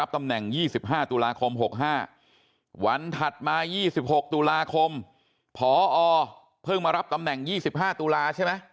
ตำแหน่ง๒๕ตุลาคม๖๕วันถัดมา๒๖ตุลาคมพอเพิ่งมารับตำแหน่ง๒๕ตุลาใช่ไหม